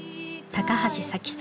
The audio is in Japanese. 橋咲希さん